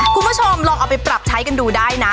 คุณผู้ชมลองเอาไปปรับใช้กันดูได้นะ